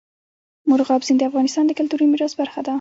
مورغاب سیند د افغانستان د کلتوري میراث برخه ده.